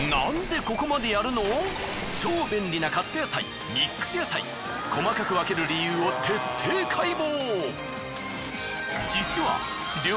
超便利なカット野菜ミックス野菜細かく分ける理由を徹底解剖。